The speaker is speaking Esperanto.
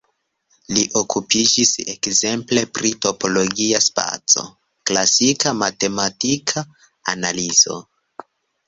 Li okupiĝis ekzemple pri topologia spaco, klasika matematika analizo.